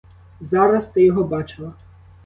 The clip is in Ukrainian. Зараз ти його бачила.